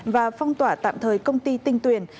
và phong tỏa tạm thời công ty tinh tuyển